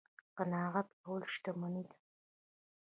قناعت کول شتمني ده